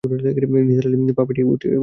নিসার আলি পা উঠিয়ে বসলেন।